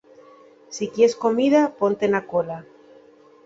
Si quies comida, ponte na cola.